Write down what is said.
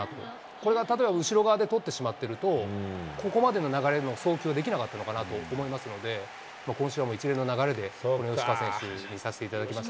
これが例えば後ろ側で捕ってしまっていると、ここまでの流れの送球できなかったのかなと思いますので、今週は一連の流れで、この吉川選手にさせていただきました。